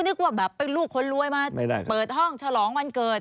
นึกว่าแบบเป็นลูกคนรวยมาเปิดห้องฉลองวันเกิด